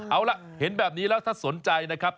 เอาล่ะเห็นแบบนี้แล้วถ้าสนใจนะครับ